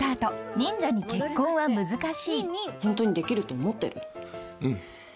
「ホントにできると思ってる？」